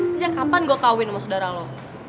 sejak kapan gue kawin sama saudara lo